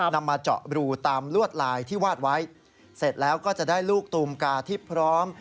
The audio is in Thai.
นำมาเจาะรูตามลวดลายที่วาดไว้เสร็จแล้วก็จะได้ลูกตูมกาที่พร้อม